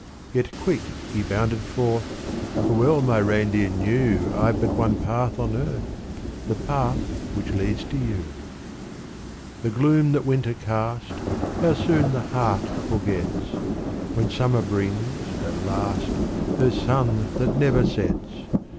Yet quick he bounded forth; For well my reindeer knew I've but one path on earth The path which leads to you. The gloom that winter cast, How soon the heart forgets, When summer brings, at last, Her sun that never sets!